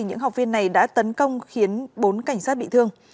những học viên này đã tấn công khiến bốn cảnh sát bị thương